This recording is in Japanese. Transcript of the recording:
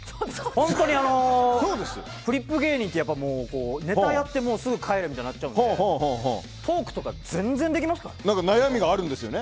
本当にフリップ芸人ってネタやってすぐ帰るみたいになっちゃうのでトークとか全然できますからね。